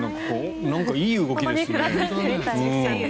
なんかいい動きですね。